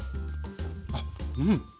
あっうん。